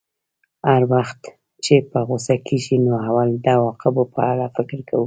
هر وخت چې په غوسه کېږې نو اول د عواقبو په اړه فکر کوه.